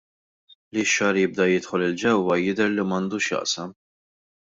Li x-xagħar jibda jidħol 'l ġewwa jidher li m'għandux x'jaqsam.